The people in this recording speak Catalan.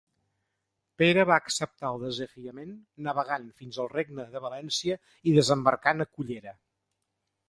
Pere va acceptar el desafiament, navegant fins al Regne de València i desembarcant a Cullera.